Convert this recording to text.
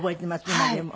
今でも。